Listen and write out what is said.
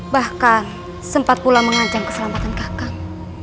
bahkan sempat pula mengajang keselamatan kakak